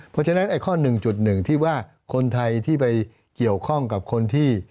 เพราะฉะนั้นไอ้ข้อ๑๑ที่ว่าคนไทยที่ไปเกี่ยวข้องกับคนที่